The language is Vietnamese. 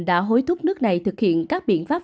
đã hối thúc nước này thực hiện các biện pháp